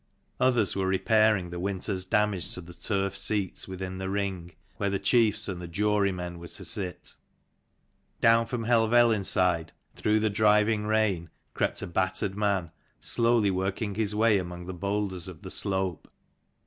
Others were repairing the winter's damage to the turf seats within the ring, where the chiefs and the jurymen were to sit. Down from Helvellyn side, through the driving rain, crept a battered man, slowly working his way among the boulders of the slope.